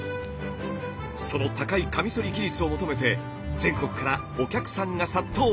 その高いカミソリ技術を求めて全国からお客さんが殺到。